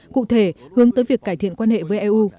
cụ thể hướng tới việc cải thiện quan hệ với eu